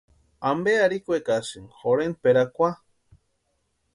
¿Ampe arhikwekasïni jorhentpʼerakwa?